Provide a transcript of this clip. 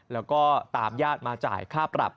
แล้วก็ตามญาติมาจ่ายค่าปรับ